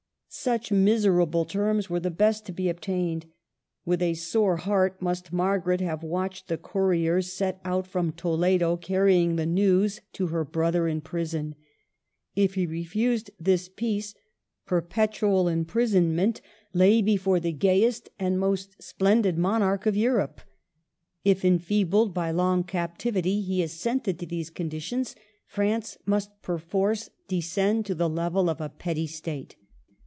Such miserable terms were the best to be obtained. With a sore heart must Margaret have watched the couriers set out from Toledo, carrying the news to her brother in prison. If he refused this peace, perpetual imprisonment THE CAPTIVITY. 103 lay before the gayest and most splendid mon arch of Europe. If, enfeebled by long cap tivity, he assented to these conditions, France must perforce descend to the level of a petty State.